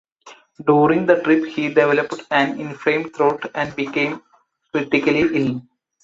During the trip he developed an inflamed throat and became critically ill.